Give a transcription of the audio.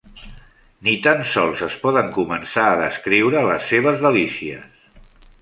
Ni tan sols es poden començar a descriure les seves delícies.